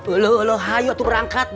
eluh eluh ayo tuh berangkat